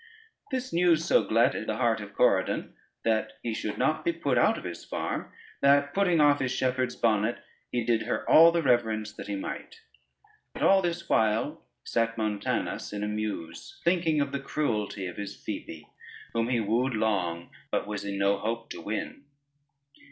This news so gladded the heart of Corydon, that he should not be put out of his farm, that putting off his shepherd's bonnet, he did her all the reverence that he might. But all this while sate Montanus in a muse, thinking of the cruelty of his Phoebe, whom he wooed long, but was in no hope to win.